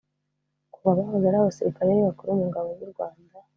Kuva abahoze ari abasirikare bakuru mu ngabo z’u Rwanda